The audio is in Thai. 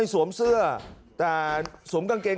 สวัสดีครับทุกคน